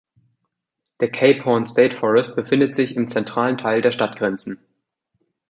Der Cape Horn State Forest befindet sich im zentralen Teil der Stadtgrenzen.